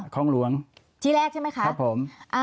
คลองหลวงที่แรกใช่ไหมคะครับผม